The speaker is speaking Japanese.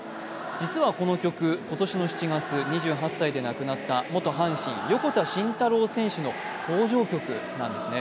実はこの曲、今年の７月、２８歳で亡くなった元阪神・横田慎太郎選手の登場曲なんですね。